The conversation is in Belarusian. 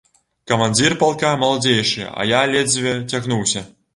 Камандзір палка маладзейшы, а я ледзьве цягнуўся.